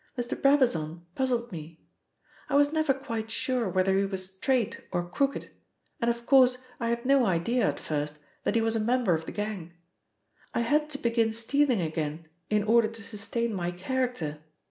Mr. Brabazon puzzled me. I was never quite sure whether he was straight or crooked, and of course I had no idea at first that he was a member of the gang. I had to begin stealing again in order to sustain my character.